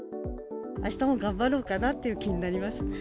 あしたも頑張ろうかなという気になります。